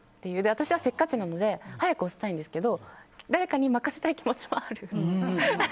私はせっかちなので早く押したいんですけど誰かに任せたい気持ちもある。